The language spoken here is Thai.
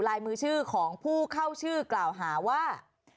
ลายมือชื่อของผู้เข้าชื่อกล่าวหาว่า